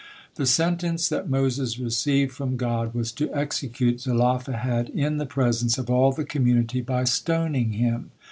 The sentence that Moses received from God was to execute Zelophehad in the presence of all the community by stoning him.